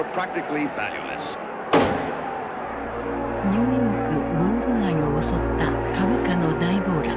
ニューヨーク・ウォール街を襲った株価の大暴落。